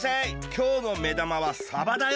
きょうのめだまはサバだよ！